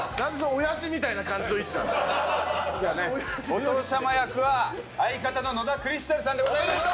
お父様役は相方の野田クリスタルさんでございます。